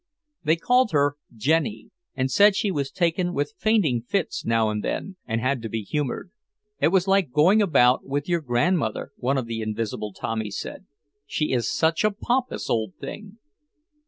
They called her "Jenny," and said she was taken with fainting fits now and then, and had to be humoured. It was like going about with your grandmother, one of the invisible Tommies said, "she is such a pompous old thing!"